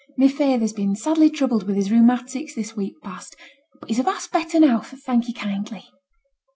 'My feyther's been sadly troubled with his rheumatics this week past; but he's a vast better now, thank you kindly.'